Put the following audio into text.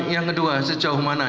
yang kedua sejauh mana